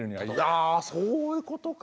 あそういうことか。